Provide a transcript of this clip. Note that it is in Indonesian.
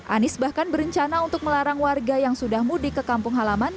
anies bahkan berencana untuk melarang warga yang sudah mudik ke kampung halaman